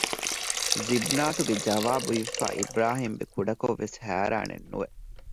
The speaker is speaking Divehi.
ޒިބްނާތުގެ ޖަވާބު އިވިފައި އިބްރާހީމްބެ ކުޑަކޮށްވެސް ހައިރާނެއްނުވެ